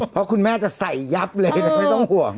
เพราะคุณแม่จะใส่ยับเลยไม่ต้องห่วง